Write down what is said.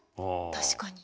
確かに。